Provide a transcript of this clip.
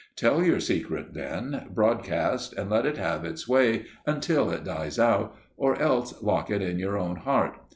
Tell your secret, then, broadcast, and let it have its way until it dies out, or else lock it in your own heart.